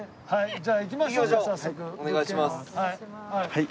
はい。